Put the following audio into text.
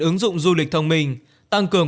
ứng dụng du lịch thông minh tăng cường